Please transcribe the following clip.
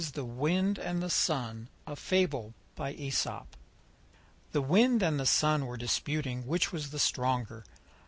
The Wind and the Sun THE WIND and the Sun were disputing which was the stronger.